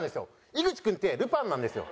井口君ってルパンなんですよ。